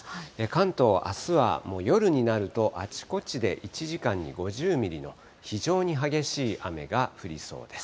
関東、あすはもう夜になるとあちこちで１時間に５０ミリの非常に激しい雨が降りそうです。